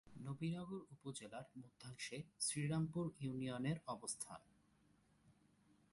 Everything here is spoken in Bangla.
নবীনগর উপজেলার মধ্যাংশে শ্রীরামপুর ইউনিয়নের অবস্থান।